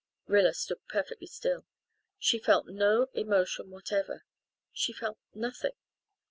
Rilla stood perfectly still. She felt no emotion whatever she felt nothing.